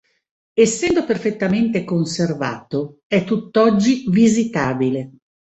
Essendo perfettamente conservato, è tutt'oggi visitabile.